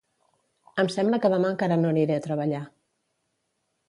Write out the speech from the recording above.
Em sembla que demà encara no aniré a treballar